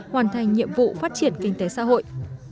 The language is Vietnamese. hoàn thành nhiệm vụ phát triển kinh tế xã hội